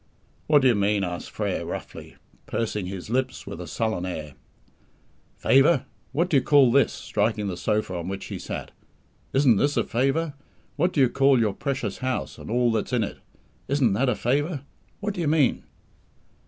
"What do you mean?" asked Frere roughly, pursing his lips with a sullen air. "Favour! What do you call this?" striking the sofa on which he sat. "Isn't this a favour? What do you call your precious house and all that's in it? Isn't that a favour? What do you mean?"